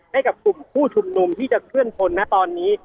ให้กับกลุ่มผู้ชุมนุมที่จะเคลื่อนพลนะตอนนี้